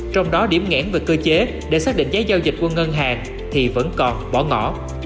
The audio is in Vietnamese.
trong đó điểm ngẽn về cơ chế để xác định giá giao dịch của ngân hàng thì vẫn còn bỏ ngỏ